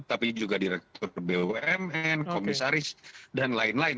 tapi juga direktur bumn komisaris dan lain lain